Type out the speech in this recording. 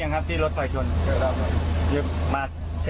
ไม่เห็นรถไฟใช่ไหมครับ